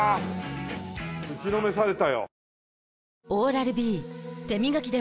打ちのめされたよ。